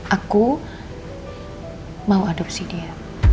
aku mau adopsi dia